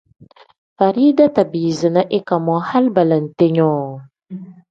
Farida tabiizi na ika moo hali belente nyoo.